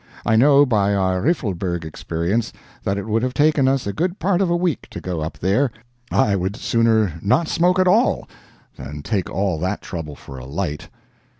I know by our Riffelberg experience, that it would have taken us a good part of a week to go up there. I would sooner not smoke at all, than take all that trouble for a light.